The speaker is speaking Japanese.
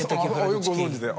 よくご存じで！